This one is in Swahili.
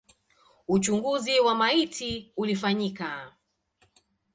Uchunguzi wa maiti ulifanyika.